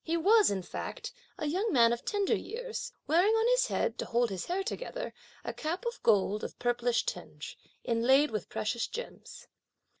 He was, in fact, a young man of tender years, wearing on his head, to hold his hair together, a cap of gold of purplish tinge, inlaid with precious gems.